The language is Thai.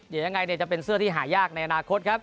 เดี๋ยวยังไงจะเป็นเสื้อที่หายากในอนาคตครับ